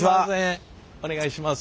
お願いします。